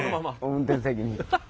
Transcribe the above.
運転席に。